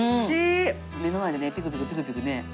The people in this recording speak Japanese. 目の前でねピクピクピクピクね。